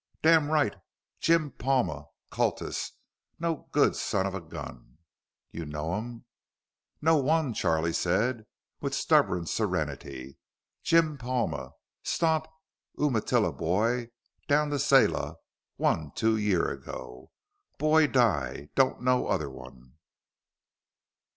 "Damn right. Jim Palma. Cultus no good son of a gun." "You know 'em?" "Know one," Charley said with stubborn serenity. "Jim Palma. Stomp Umatilla boy down to Selah, one two year ago. Boy die. Don't know other one."